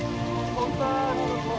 datangkan pertolonganmu ya allah